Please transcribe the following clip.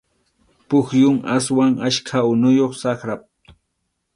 Pukyum aswan achka unuyuq, saqrap.